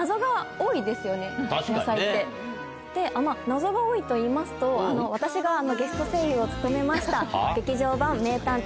謎が多いといいますと私がゲスト声優を務めました。